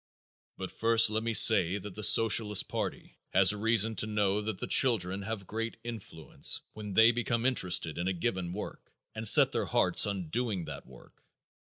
But first let me say that the Socialist party has reason to know that the children have great influence when they become interested in a given work and set their hearts on doing that work.